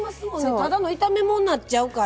ただの炒め物になっちゃうから。